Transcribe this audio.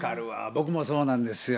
僕もそうなんですよ。